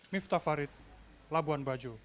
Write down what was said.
miftah farid labuan bajo